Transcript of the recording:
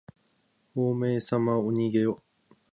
ほうめいさまおにげよ。